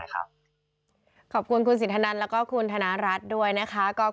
ขอบคุณคุณสินทนันแล้วก็คุณธนรัฐด้วยนะคะ